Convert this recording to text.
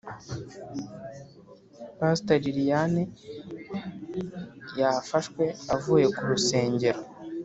Paster liliane yafashwe avuye kurusengero